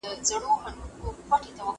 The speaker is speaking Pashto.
ولي د کندهار صنعت صادرات مهم دي؟